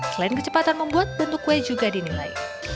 selain kecepatan membuat bentuk kue juga dinilai